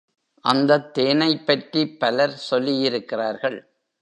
அந்தத் தேனைப் பற்றிப் பலர் சொல்லியிருக்கிறார்கள்.